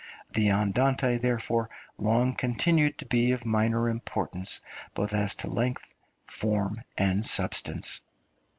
The Andante, therefore, long continued to be of minor importance, both as to length, form, and substance.